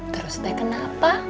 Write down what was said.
terus teh kenapa